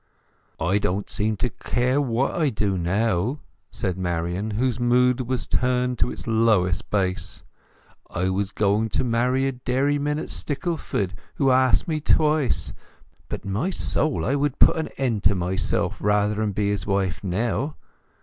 "I don't seem to care what I do now," said Marian, whose mood was turned to its lowest bass. "I was going to marry a dairyman at Stickleford, who's asked me twice; but—my soul—I would put an end to myself rather'n be his wife now!